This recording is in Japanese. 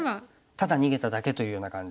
ただ逃げただけというような感じ。